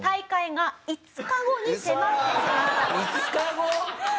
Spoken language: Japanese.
５日後？